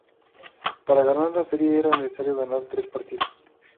Para ganar la serie era necesario ganar tres partidos.